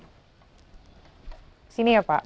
di sini ya pak